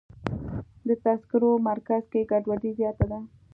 د تذکرو مرکز کې ګډوډي زیاته ده.